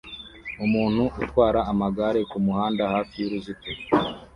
Umuntu utwara amagare kumuhanda hafi y'uruzitiro